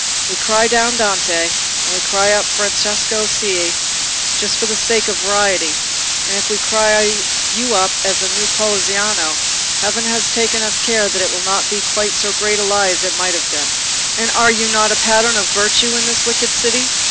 We cry down Dante, and we cry up Francesco Cei, just for the sake of variety; and if we cry you up as a new Poliziano, heaven has taken care that it shall not be quite so great a lie as it might have been. And are you not a pattern of virtue in this wicked city?